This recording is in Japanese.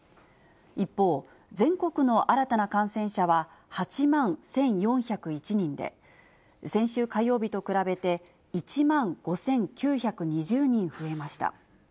一方、全国の新たな感染者は、８万１４０１人で、先週火曜日と比べて１万５９２０人増えました。